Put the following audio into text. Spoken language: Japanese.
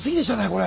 これ。